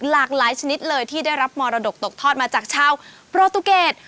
หลากหลายชนิดเลยที่ได้รับมรดกตกทอดมาจากชาวโปรตูเกต